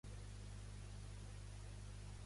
Les dues rutes operen des d'Ulladulla.